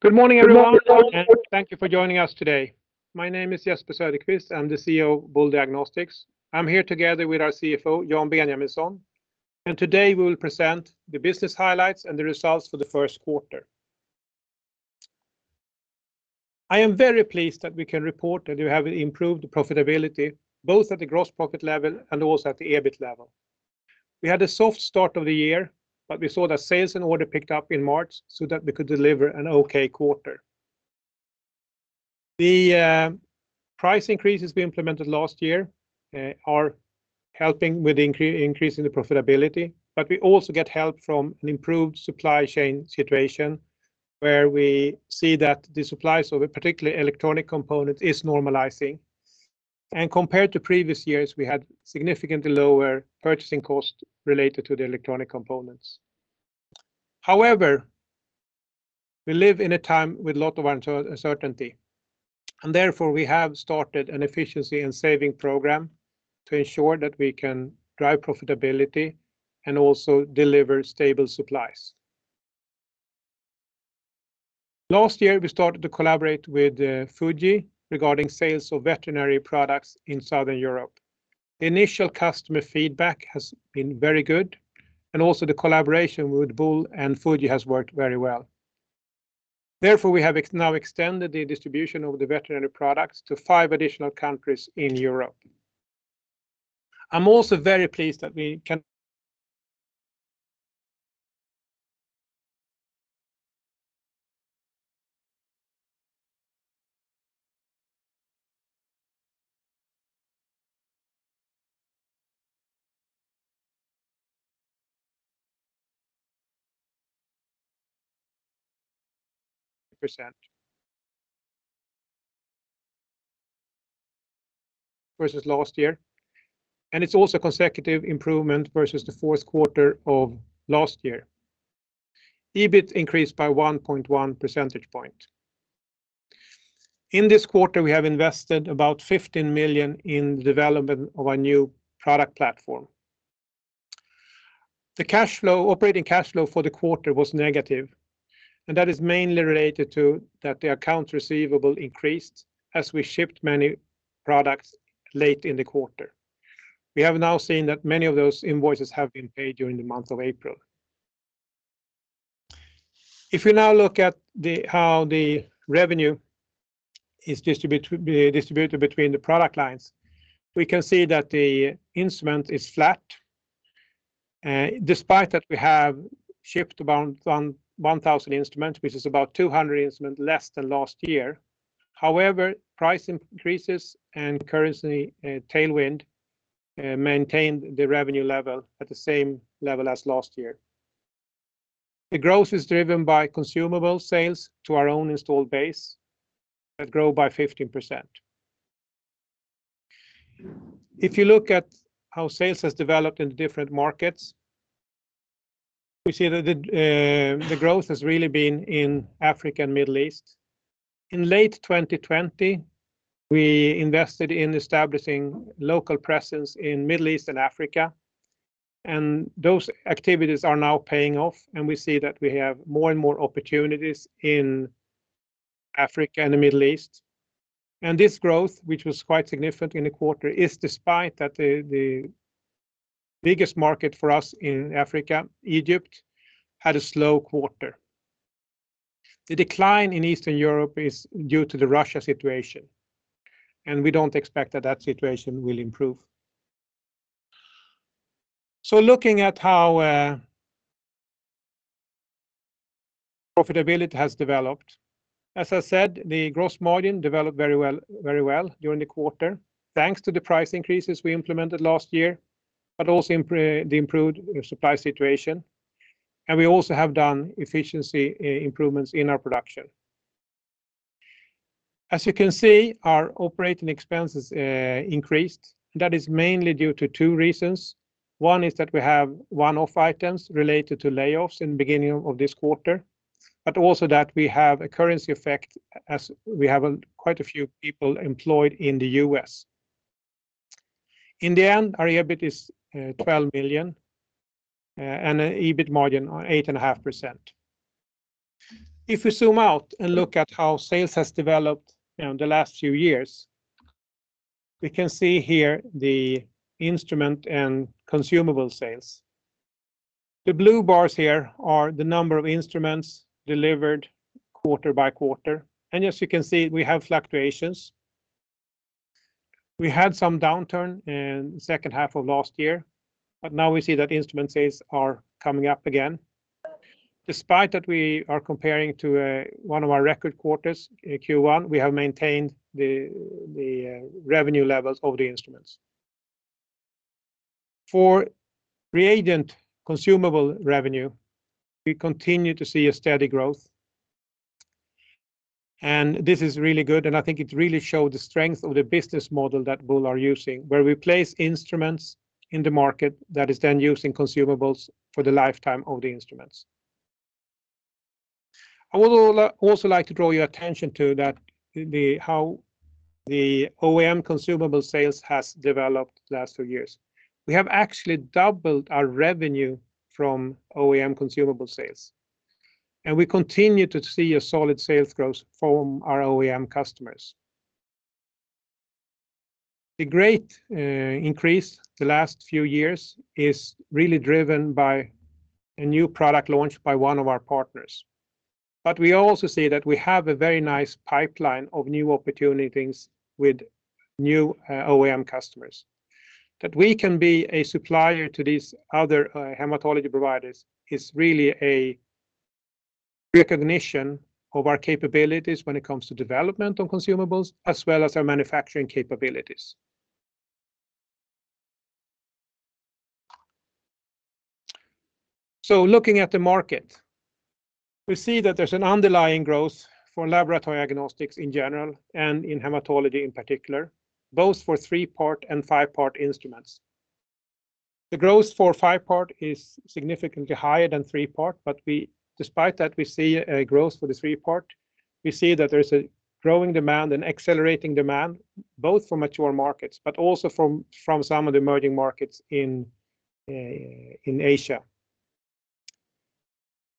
Good morning, everyone, and thank you for joining us today. My name is Jesper Söderqvist. I'm the CEO of Boule Diagnostics. I'm here together with our CFO, Jan Benjaminson, and today we will present the business highlights and the results for the first quarter. I am very pleased that we can report that we have improved profitability both at the gross profit level and also at the EBIT level. We had a soft start of the year, but we saw that sales and order picked up in March so that we could deliver an okay quarter. The price increases we implemented last year are helping with increasing the profitability, but we also get help from an improved supply chain situation where we see that the supplies, of particularly electronic component, is normalizing. Compared to previous years, we had significantly lower purchasing cost related to the electronic components. We live in a time with a lot of uncertainty, therefore, we have started an efficiency and saving program to ensure that we can drive profitability and also deliver stable supplies. Last year, we started to collaborate with FUJIFILM regarding sales of veterinary products in Southern Europe. The initial customer feedback has been very good, also the collaboration with Boule and FUJIFILM has worked very well. We have now extended the distribution of the veterinary products to five additional countries in Europe. I'm also very pleased that we can... % versus last year, it's also consecutive improvement versus the fourth quarter of last year. EBIT increased by 1.1 percentage point. In this quarter, we have invested about 15 million in the development of our new product platform. The cash flow, operating cash flow for the quarter was negative, that is mainly related to that the accounts receivable increased as we shipped many products late in the quarter. We have now seen that many of those invoices have been paid during the month of April. If you now look at how the revenue is distributed between the product lines, we can see that the instrument is flat, despite that we have shipped around 1,000 instruments, which is about 200 instruments less than last year. However, price increases and currency tailwind maintained the revenue level at the same level as last year. The growth is driven by consumable sales to our own installed base that grow by 15%. If you look at how sales has developed in the different markets, we see that the growth has really been in Africa and Middle East. In late 2020, we invested in establishing local presence in Middle East and Africa, and those activities are now paying off, and we see that we have more and more opportunities in Africa and the Middle East. This growth, which was quite significant in the quarter, is despite that the biggest market for us in Africa, Egypt, had a slow quarter. The decline in Eastern Europe is due to the Russia situation. We don't expect that that situation will improve. Looking at how profitability has developed, as I said, the gross margin developed very well during the quarter, thanks to the price increases we implemented last year, but also the improved supply situation, and we also have done efficiency improvements in our production. As you can see, our operating expenses increased. That is mainly due to two reasons. One is that we have one-off items related to layoffs in the beginning of this quarter, but also that we have a currency effect as we have quite a few people employed in the U.S. In the end, our EBIT is 12 million and a EBIT margin of 8.5%. If we zoom out and look at how sales has developed in the last few years, we can see here the instrument and consumable sales. The blue bars here are the number of instruments delivered quarter by quarter, and as you can see, we have fluctuations. We had some downturn in second half of last year. Now we see that instrument sales are coming up again. Despite that we are comparing to one of our record quarters in Q1, we have maintained the revenue levels of the instruments. For reagent consumable revenue, we continue to see a steady growth. This is really good, and I think it really show the strength of the business model that Boule are using, where we place instruments in the market that is then used in consumables for the lifetime of the instruments. I would also like to draw your attention to that The OEM consumable sales has developed the last two years. We have actually doubled our revenue from OEM consumable sales, and we continue to see a solid sales growth from our OEM customers. The great increase the last few years is really driven by a new product launch by one of our partners. We also see that we have a very nice pipeline of new opportunities with new OEM customers. That we can be a supplier to these other hematology providers is really a recognition of our capabilities when it comes to development of consumables as well as our manufacturing capabilities. Looking at the market, we see that there's an underlying growth for laboratory diagnostics in general and in hematology in particular, both for three-part and five-part instruments. The growth for five-part is significantly higher than three-part, despite that, we see a growth for the three-part. We see that there's a growing demand, an accelerating demand, both from mature markets, but also from some of the emerging markets in Asia.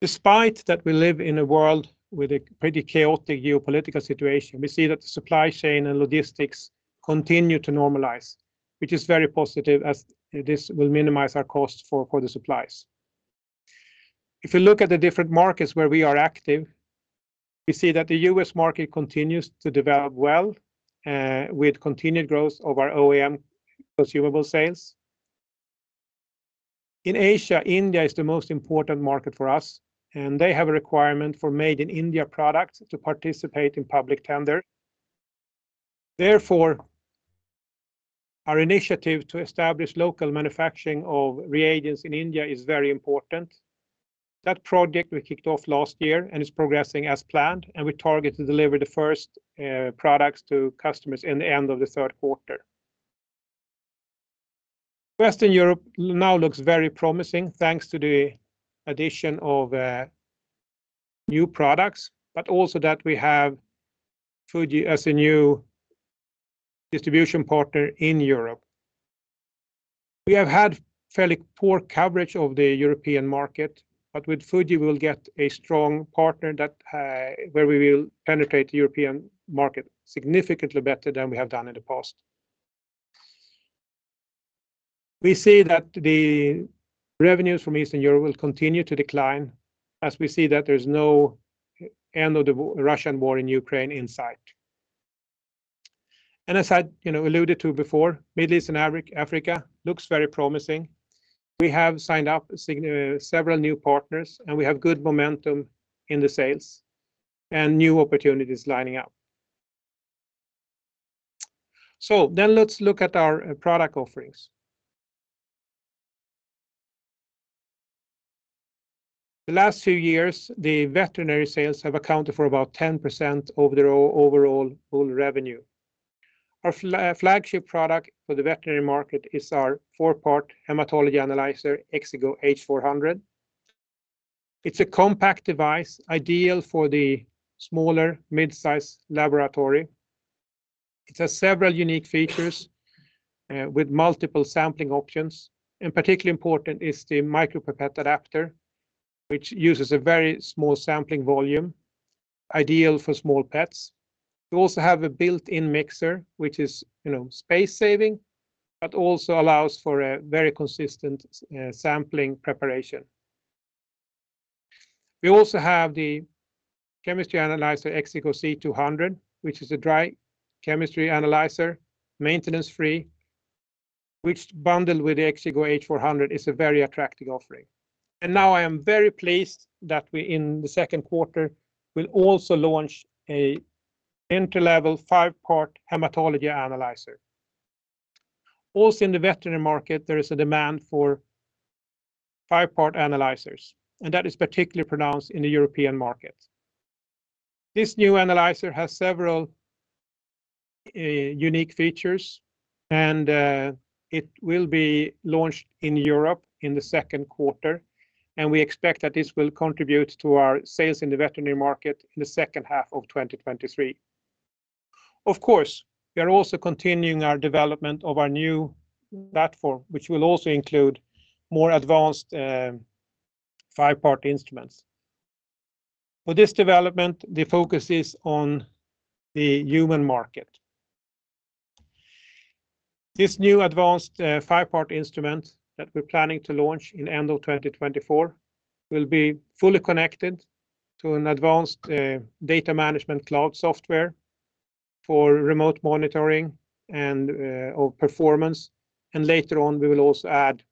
Despite that we live in a world with a pretty chaotic geopolitical situation, we see that the supply chain and logistics continue to normalize, which is very positive, as this will minimize our cost for the supplies. If you look at the different markets where we are active, we see that the U.S. market continues to develop well, with continued growth of our OEM consumable sales. In Asia, India is the most important market for us. They have a requirement for made-in-India products to participate in public tender. Therefore, our initiative to establish local manufacturing of reagents in India is very important. That project we kicked off last year and is progressing as planned. We target to deliver the first products to customers in the end of the third quarter. Western Europe now looks very promising, thanks to the addition of new products but also that we have Fuji as a new distribution partner in Europe. We have had fairly poor coverage of the European market. With Fuji, we'll get a strong partner that where we will penetrate the European market significantly better than we have done in the past. We see that the revenues from Eastern Europe will continue to decline, as we see that there's no end of the Russian war in Ukraine in sight. As I, you know, alluded to before, Middle East and Africa looks very promising. We have signed up several new partners, and we have good momentum in the sales and new opportunities lining up. Let's look at our product offerings. The last few years, the veterinary sales have accounted for about 10% of the overall full revenue. Our flagship product for the veterinary market is our 4-part hematology analyzer, Exigo H400. It's a compact device ideal for the smaller midsize laboratory. It has several unique features, with multiple sampling options, and particularly important is the micropipette adapter, which uses a very small sampling volume, ideal for small pets. We also have a built-in mixer, which is, you know, space-saving but also allows for a very consistent sampling preparation. We also have the chemistry analyzer, Exigo C200, which is a dry chemistry analyzer, maintenance-free, which bundled with the Exigo H400 is a very attractive offering. Now I am very pleased that we, in the second quarter, will also launch a entry-level 5-part hematology analyzer. In the veterinary market, there is a demand for 5-part analyzers, and that is particularly pronounced in the European market. This new analyzer has several unique features, and it will be launched in Europe in the second quarter, and we expect that this will contribute to our sales in the veterinary market in the H2 of 2023. Of course, we are also continuing our development of our new platform, which will also include more advanced 5-part instruments. For this development, the focus is on the human market. This new advanced 5-part instrument that we're planning to launch in end of 2024 will be fully connected to an advanced data management cloud software for remote monitoring and or performance, and later on, we will also add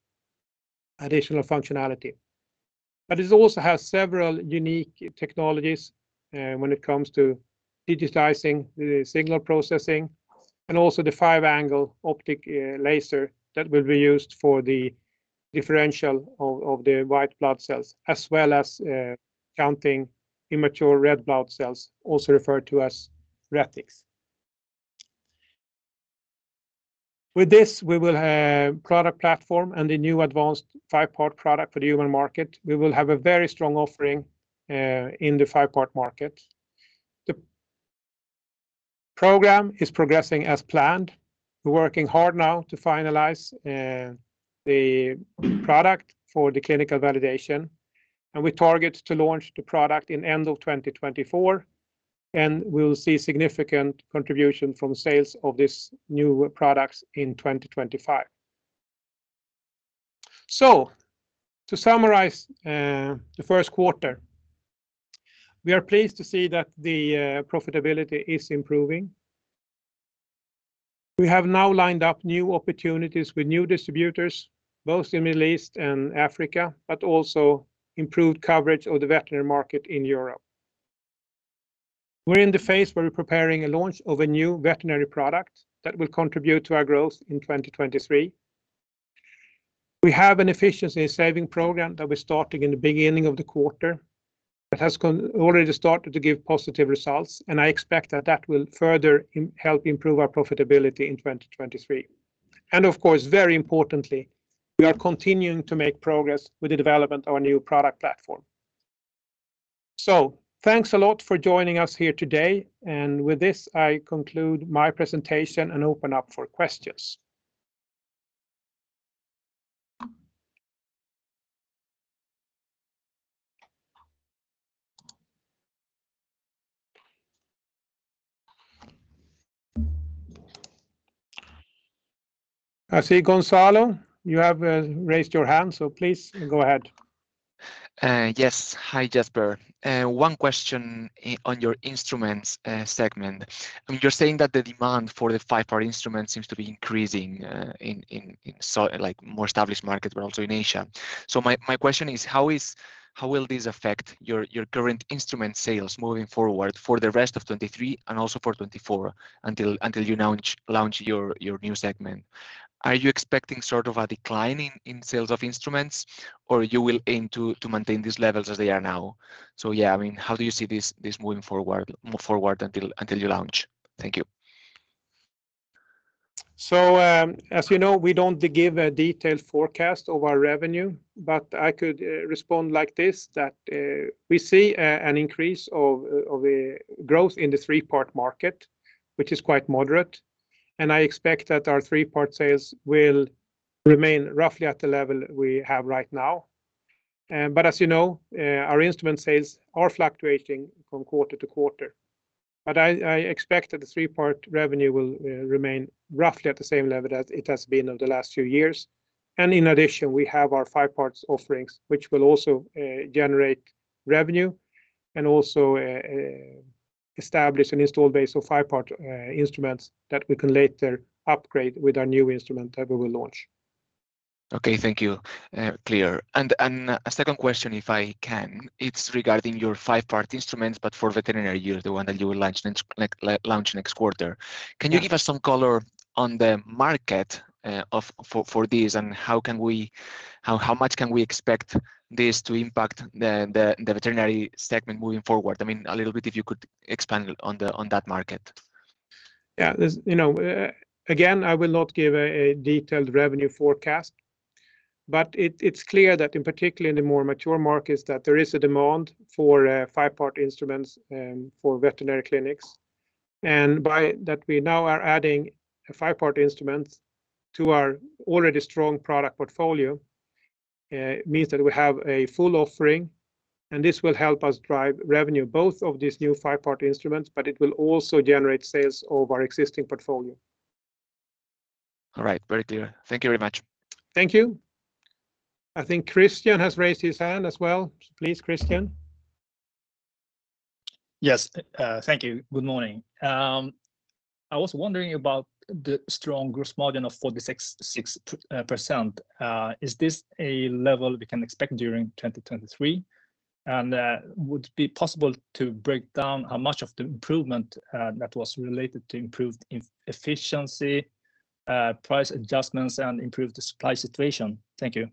additional functionality. It also has several unique technologies when it comes to digitizing the signal processing and also the 5-angle optic laser that will be used for the differential of the white blood cells, as well as counting immature red blood cells, also referred to as retics. With this, we will have product platform and the new advanced 5-part product for the human market. We will have a very strong offering in the 5-part market. The program is progressing as planned. We're working hard now to finalize the product for the clinical validation. We target to launch the product in end of 2024. We'll see significant contribution from sales of these new products in 2025. To summarize the first quarter, we are pleased to see that the profitability is improving. We have now lined up new opportunities with new distributors, both in Middle East and Africa, but also improved coverage of the veterinary market in Europe. We're in the phase where we're preparing a launch of a new veterinary product that will contribute to our growth in 2023. We have an efficiency saving program that we're starting in the beginning of the quarter that has already started to give positive results. I expect that that will further help improve our profitability in 2023. Of course, very importantly, we are continuing to make progress with the development of our new product platform. Thanks a lot for joining us here today, and with this, I conclude my presentation and open up for questions. I see, Gonzalo, you have raised your hand, so please go ahead. Yes. Hi, Jesper. One question on your instruments, segment. You're saying that the demand for the 5-part instruments seems to be increasing in so- like, more established markets, but also in Asia. My question is, how will this affect your current instrument sales moving forward for the rest of 2023 and also for 2024 until you launch your new segment? Are you expecting sort of a decline in sales of instruments, or you will aim to maintain these levels as they are now? Yeah, I mean, how do you see this moving forward until you launch? Thank you. As you know, we don't give a detailed forecast of our revenue, but I could respond like this, that we see an increase of growth in the 3-part market, which is quite moderate, and I expect that our 3-part sales will remain roughly at the level we have right now. But as you know, our instrument sales are fluctuating from quarter to quarter. I expect that the 3-part revenue will remain roughly at the same level as it has been over the last few years. In addition, we have our 5-part offerings, which will also generate revenue and also establish an install base of 5-part instruments that we can later upgrade with our new instrument that we will launch. Okay. Thank you. Clear. A second question if I can. It's regarding your 5-part instruments but for veterinary use, the one that you will launch next, like, launch next quarter. Yeah. Can you give us some color on the market for this, and how much can we expect this to impact the veterinary segment moving forward? I mean, a little bit if you could expand on that market? Yeah. This, you know, again, I will not give a detailed revenue forecast, but it's clear that in particular in the more mature markets that there is a demand for 5-part instruments, for veterinary clinics. By that, we now are adding a 5-part instrument to our already strong product portfolio, means that we have a full offering. This will help us drive revenue both of these new 5-part instruments, but it will also generate sales of our existing portfolio. All right. Very clear. Thank you very much. Thank you. I think Christian has raised his hand as well. Please, Christian. Yes. Thank you. Good morning. I was wondering about the strong gross margin of 46.6%. Is this a level we can expect during 2023? Would it be possible to break down how much of the improvement that was related to improved efficiency, price adjustments, and improved supply situation? Thank you.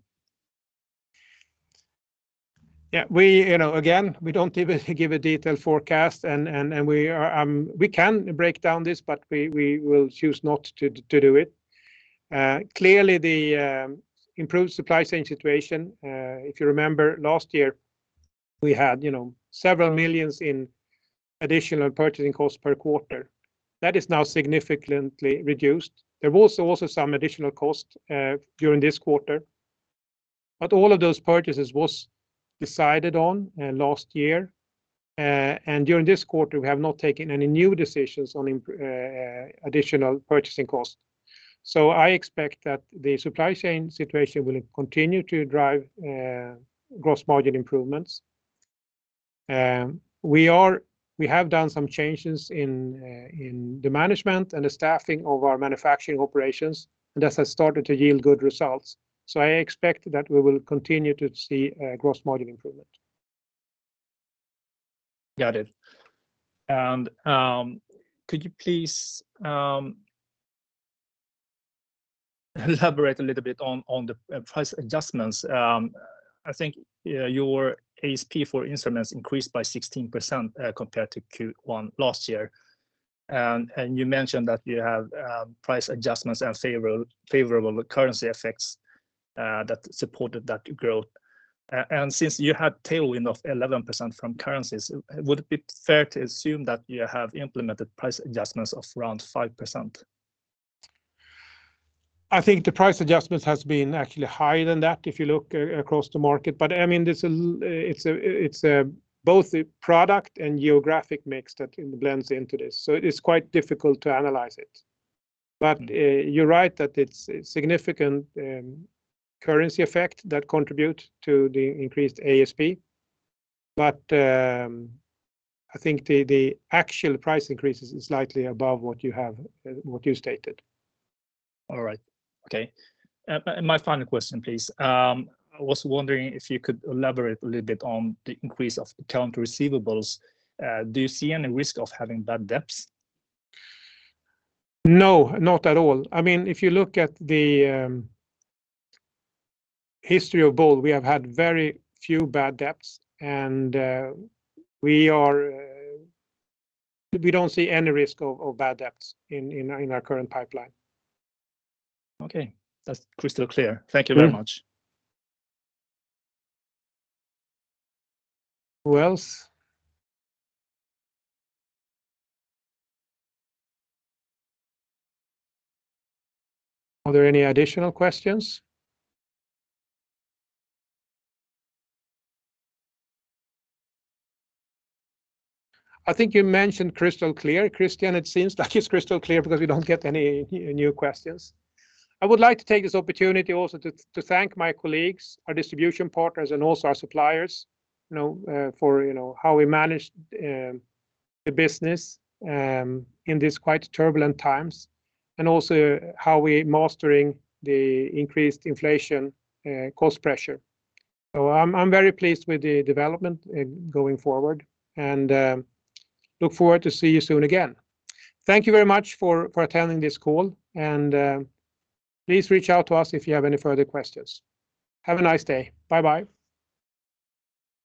We, you know, again, we don't give a detailed forecast, and we are... we can break down this, but we will choose not to do it. Clearly the improved supply chain situation, if you remember last year, we had, you know, several million in additional purchasing costs per quarter. That is now significantly reduced. There was also some additional cost during this quarter, but all of those purchases was decided on last year. During this quarter, we have not taken any new decisions on additional purchasing costs. I expect that the supply chain situation will continue to drive gross margin improvements. We are, we have done some changes in the management and the staffing of our manufacturing operations. This has started to yield good results. I expect that we will continue to see gross margin improvement. Got it. Could you please Elaborate a little bit on the price adjustments. I think, yeah, your ASP for instruments increased by 16% compared to Q1 last year. You mentioned that you have price adjustments and favorable currency effects that supported that growth. Since you had tailwind of 11% from currencies, would it be fair to assume that you have implemented price adjustments of around 5%? I think the price adjustments has been actually higher than that if you look across the market. I mean, it's a both a product and geographic mix that blends into this. It is quite difficult to analyze it. You're right that it's a significant currency effect that contribute to the increased ASP. I think the actual price increase is slightly above what you have what you stated. All right. Okay. My final question, please. I was wondering if you could elaborate a little bit on the increase of account receivables. Do you see any risk of having bad debts? No, not at all. I mean, if you look at the history of Boule, we have had very few bad debts. We don't see any risk of bad debts in our current pipeline. Okay. That's crystal clear. Thank you very much. Who else? Are there any additional questions? I think you mentioned crystal clear, Christian. It seems like it's crystal clear because we don't get any new questions. I would like to take this opportunity also to thank my colleagues, our distribution partners, and also our suppliers, you know, for, you know, how we managed the business in these quite turbulent times and also how we're mastering the increased inflation, cost pressure. I'm very pleased with the development going forward, and look forward to see you soon again. Thank you very much for attending this call, and please reach out to us if you have any further questions. Have a nice day. Bye-bye.